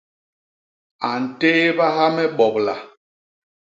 A ntéébaha me bobla.